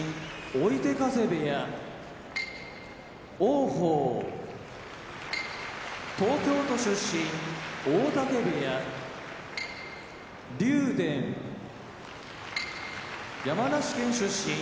追手風部屋王鵬東京都出身大嶽部屋竜電山梨県出身